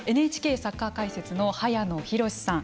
ＮＨＫサッカー解説の早野宏史さん。